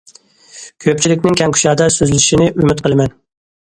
كۆپچىلىكنىڭ كەڭ- كۇشادە سۆزلىشىنى ئۈمىد قىلىمەن.